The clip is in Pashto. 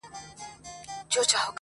چي مي ښکار وي په هر ځای کي پیداکړی٫